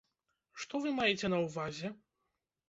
Што вы маеце на ўвазе?